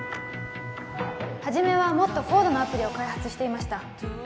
初めはもっと高度なアプリを開発していました